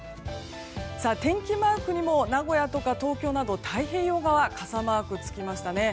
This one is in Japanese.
天気マークにも名古屋とか東京など太平洋側傘マークがつきましたね。